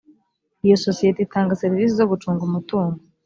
iyo sosiyete itanga serivisi zo gucunga umutungo